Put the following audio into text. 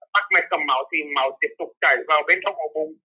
tắt mẹt cầm máu thì máu tiếp tục chảy vào bên trong hồ bụng